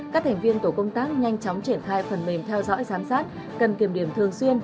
các thành viên tổ công tác nhanh chóng triển khai phần mềm theo dõi giám sát cần kiểm điểm thường xuyên